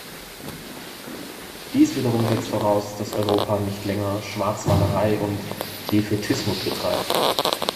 Dies wiederum setzt voraus, dass Europa nicht länger Schwarzmalerei und Defätismus betreibt.